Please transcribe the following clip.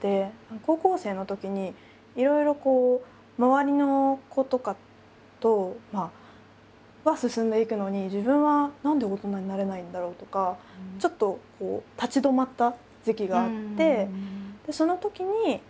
高校生のときにいろいろ周りの子とかは進んでいくのに自分は何で大人になれないんだろうとかちょっと立ち止まった時期があって。